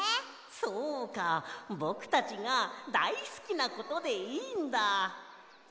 そうかぼくたちがだいすきなことでいいんだ。